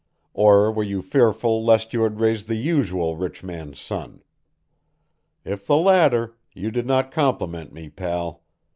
Or were you fearful lest you had raised the usual rich man's son? If the latter, you did not compliment me, pal.